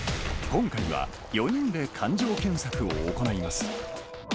今回は４人で環状検索を行います。